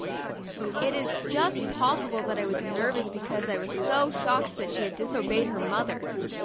It is just possible that I was nervous because 1 was so shocked that she had disobeyed her mother.